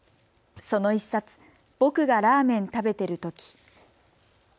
その一冊、ぼくがラーメンたべてるとき。